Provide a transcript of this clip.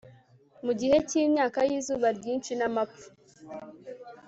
mu gihe cyimyaka yizuba ryinshi namapfa